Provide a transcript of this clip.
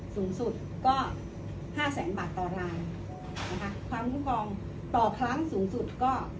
สูงสุดก็ห้าแสนบาทต่อรายนะคะความคุ้มครองต่อครั้งสูงสุดก็